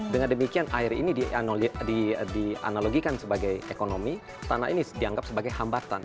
dengan demikian air ini dianalogikan sebagai ekonomi tanah ini dianggap sebagai hambatan